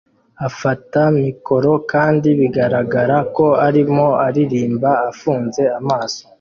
afata mikoro kandi bigaragara ko arimo aririmba afunze amaso